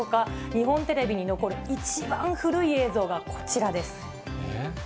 日本テレビに残る一番古い映像がこちらです。